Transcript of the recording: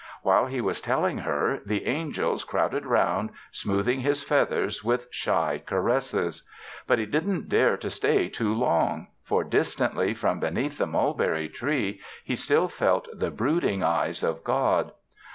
While he was telling her, the angels crowded round, smoothing his feathers with shy caresses. But he didn't dare to stay too long, for distantly from beneath the mulberry tree, he still felt the brooding eyes of God.